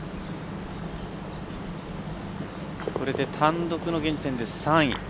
これで単独の現時点で３位。